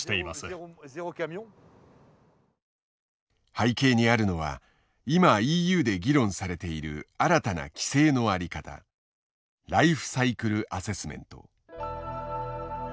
背景にあるのは今ＥＵで議論されている新たな規制の在り方「ライフサイクルアセスメント」。